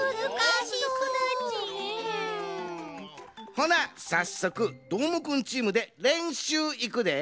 ほなさっそくどーもくんチームでれんしゅういくで。